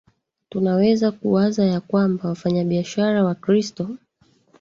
Tunaweza kuwaza ya kwamba wafanyabiashara Wakristo